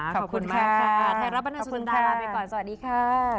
ขอบคุณมากค่ะไทยรับบรรณสุนดาลาไปก่อนสวัสดีค่ะ